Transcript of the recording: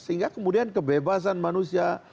sehingga kemudian kebebasan manusia